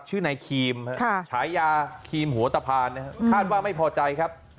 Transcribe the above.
ชื่อนายขีมใช้ยาขีมหัวตะพานคาดว่าไม่พอใจครับ